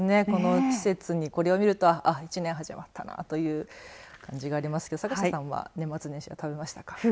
この季節にこれを見るとああ１年始まったなという感じがありますけど坂下さんは年末年始は食べましたか。